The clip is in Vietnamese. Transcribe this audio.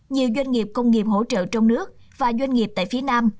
nhiều doanh nghiệp công nghiệp hỗ trợ trong nước và doanh nghiệp tại phía nam